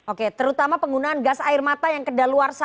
oke terutama penggunaan gas air mata yang kedaluarsa